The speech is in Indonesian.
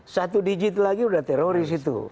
satu digit lagi udah teroris itu